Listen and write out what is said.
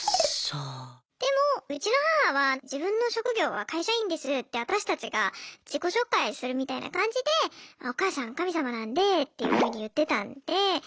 でもうちの母は「自分の職業は会社員です」って私たちが自己紹介するみたいな感じで「お母さん神様なんで」っていうふうに言ってたんで。